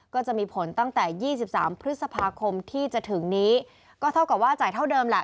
ก็จะมีผลตั้งแต่๒๓พฤษภาคมที่จะถึงนี้ก็เท่ากับว่าจ่ายเท่าเดิมแหละ